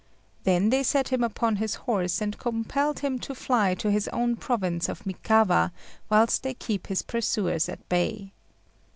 Then they set him upon his horse and compelled him to fly to his own province of Mikawa, whilst they kept his pursuers at bay.